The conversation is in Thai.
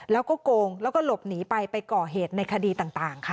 แล้วก็โกงแล้วก็หลบหนีไปไปก่อเหตุในคดีต่างค่ะ